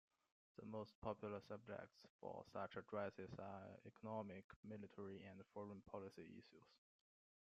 The most popular subjects for such addresses are economic, military and foreign policy issues.